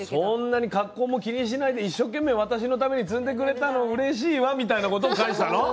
そんなに格好も気にしないで一生懸命私のために摘んでくれたのうれしいわみたいなことを返したの？